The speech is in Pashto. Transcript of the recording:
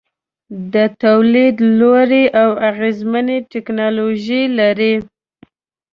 د تولید لوړې او اغیزمنې ټیکنالوجۍ لري.